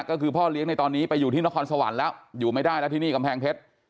ก็คือพ่อเลี้ยงในตอนนี้ไปอยู่ที่นครสวรรค์แล้วอยู่ไม่ได้แล้วที่นี่กำแพงเพชร